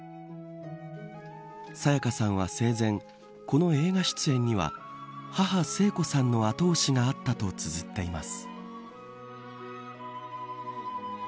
沙也加さんは生前この映画出演には母、聖子さんの後押しがあったとつづっています。